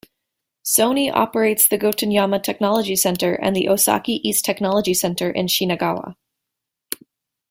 Sony operates the Gotenyama Technology Center and the Osaki East Technology Center in Shinagawa.